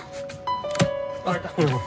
開いた。